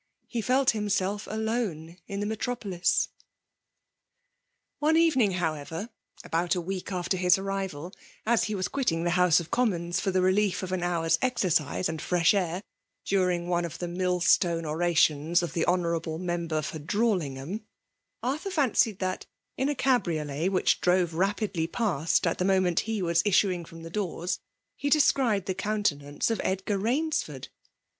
He felt himself aleae in the metropolis. 18S FEMALE DOMlKAtlON. OiMf evening, however, about a \ir6el after Mb arrival, as he was quitting the House ot Commons for the relief of an hour's exercise and fresh air during one of the millstone orations of the honourable member for Drawl mgham, Arthur fancied that, in a cabriolet which drove rapidly past at the moment he was issuing from the doors, he descried the coun tenance of Edgar Bainsford.